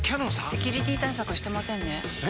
セキュリティ対策してませんねえ！